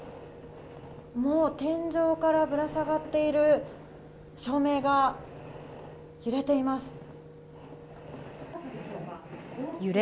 もう天井からぶら下がっている照明が揺れています。